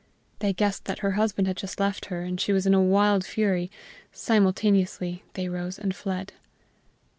They guessed that her husband had just left her, and that she was in a wild fury; simultaneously they rose and fled.